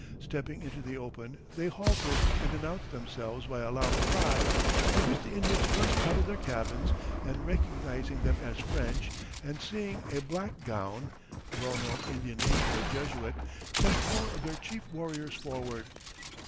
Stepping into the open, they halted and announced themselves by a loud cry; at which the Indians rushed out of their cabins, and recognizing them as French, and seeing a "Blackgown" (the well known Indian name for a Jesuit), sent four of their chief warriors forward.